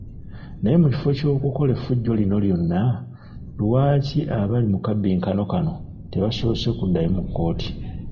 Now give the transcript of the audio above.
Naye mu kifo ky’okukola effujjo lino lyonna, lwaki abali mu kabbinkano kano tebasoose kuddayo mu kkooti.